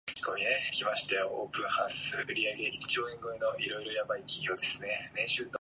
It can be found in the bark of "Eucalyptus globulus".